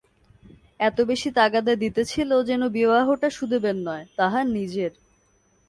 এত বেশি তাগাদা দিতেছিল যেন বিবাহটা সুদেবের নয়, তাহার নিজের।